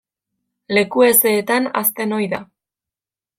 Leku hezeetan hazten ohi da.